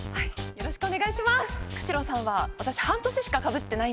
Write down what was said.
よろしくお願いします！